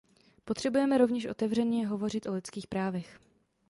Potřebujeme rovněž otevřeně hovořit o lidských právech.